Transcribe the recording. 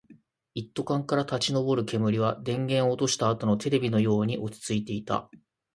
一斗缶から立ち上る煙は、電源を落としたあとのテレビのように落ち着いていた